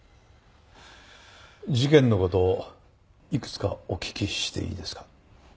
事件の事をいくつかお聞きしていいですか？